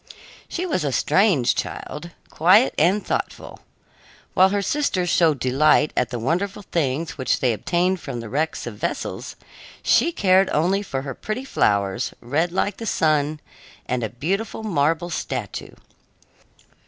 She was a strange child, quiet and thoughtful. While her sisters showed delight at the wonderful things which they obtained from the wrecks of vessels, she cared only for her pretty flowers, red like the sun, and a beautiful marble statue.